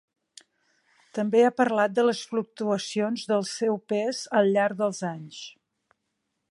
També ha parlat de les fluctuacions del seu pes al llarg dels anys.